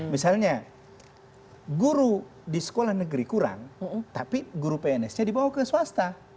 misalnya guru di sekolah negeri kurang tapi guru pns nya dibawa ke swasta